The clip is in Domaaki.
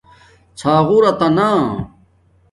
ݼاغݸتانا